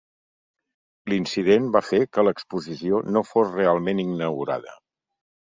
L'incident va fer que l'exposició no fos realment inaugurada.